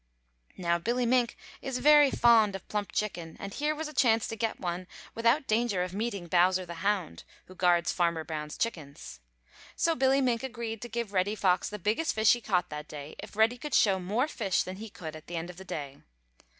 Now Billy Mink is very fond of plump chicken and here was a chance to get one without danger of meeting Bowser the Hound, who guards Farmer Brown's chickens. So Billy Mink agreed to give Reddy Fox the biggest fish he caught that day if Reddy could show more fish than he could at the end of the day.